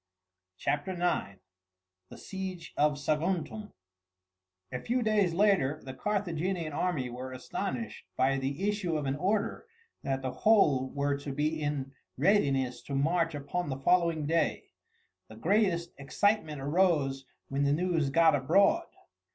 CHAPTER IX: THE SIEGE OF SAGUNTUM A few days later the Carthaginian army were astonished by the issue of an order that the whole were to be in readiness to march upon the following day. The greatest excitement arose when the news got abroad.